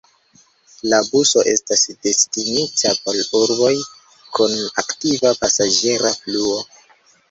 La buso estas destinita por urboj kun aktiva pasaĝera fluo.